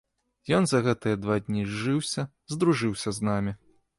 Ён за гэтыя два дні зжыўся, здружыўся з намі.